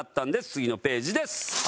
次のページです。